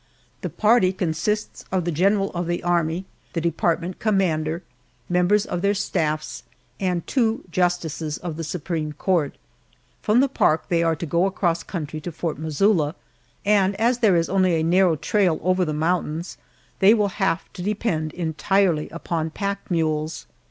The party consists of the general of the Army, the department commander, members of their staffs, and two justices of the supreme court. From the park they are to go across country to Fort Missoula, and as there is only a narrow trail over the mountains they will have to depend entirely upon pack mules.